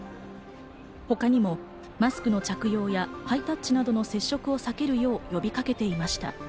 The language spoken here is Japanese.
他にもマスクの着用やハイタッチなどの接触を避けるように呼びかけていました。